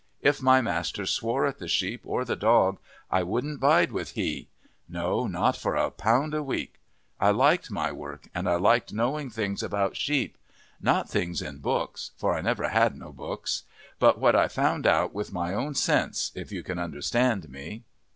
If my master swore at the sheep or the dog I wouldn't bide with he no, not for a pound a week. I liked my work, and I liked knowing things about sheep. Not things in books, for I never had no books, but what I found out with my own sense, if you can understand me.